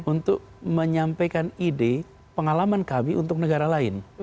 untuk menyampaikan ide pengalaman kami untuk negara lain